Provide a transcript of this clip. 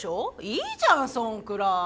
いいじゃんそんくらい。